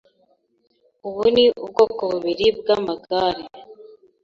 Ubu ni ubwoko bubiri bwamagare.